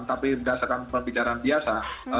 tapi berdasarkan pembicaraan biasa